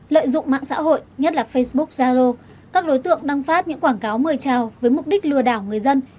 lợi dụng mạng xã hội nhất là facebook zaro các đối tượng đăng phát những quảng cáo mời trào với mục đích lừa đảo người dân